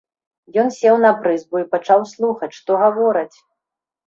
Ён сеў на прызбу і пачаў слухаць, што гавораць.